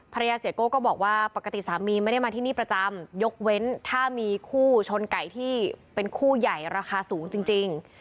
เสียโก้ก็บอกว่าปกติสามีไม่ได้มาที่นี่ประจำยกเว้นถ้ามีคู่ชนไก่ที่เป็นคู่ใหญ่ราคาสูงจริง